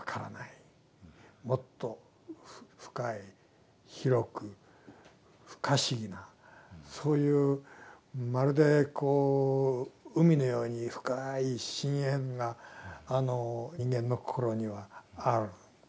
もっと深い広く不可思議なそういうまるでこう海のように深い深遠な人間のこころにはある。